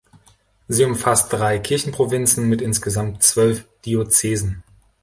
Sie umfasst drei Kirchenprovinzen mit insgesamt zwölf Diözesen.